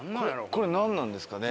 これなんなんですかね。